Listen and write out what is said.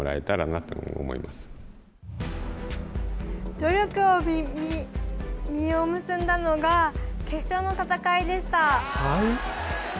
努力が実を結んだのが決勝の戦いでした。